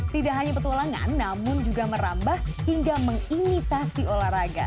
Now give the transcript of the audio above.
tidak hanya petualangan namun juga merambah hingga mengimitasi olahraga